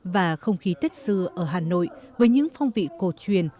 và không khí tết xưa ở hà nội với những phong vị cổ truyền